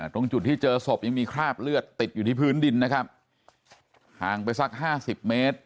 ตรงจุดที่เจอศพยังมีคราบเลือดติดอยู่ที่พื้นดินนะครับห่างไปสักห้าสิบเมตร